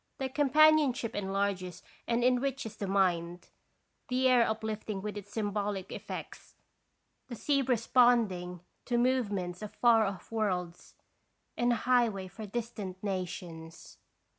Their companionship enlarges and enriches the mind, the air uplifting with its symbolic effects, the sea responding to movements of far off worlds, and a highway for distant nations.